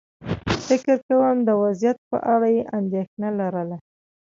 فکر کووم د وضعيت په اړه یې اندېښنه لرله.